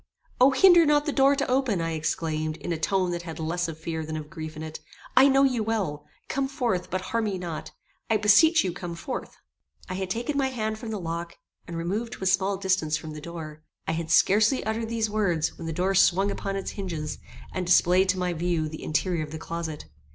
"O! hinder not the door to open," I exclaimed, in a tone that had less of fear than of grief in it. "I know you well. Come forth, but harm me not. I beseech you come forth." I had taken my hand from the lock, and removed to a small distance from the door. I had scarcely uttered these words, when the door swung upon its hinges, and displayed to my view the interior of the closet.